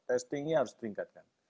testingnya harus teringkatkan